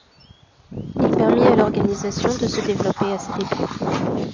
Il permit à l'organisation de se développer à ses débuts.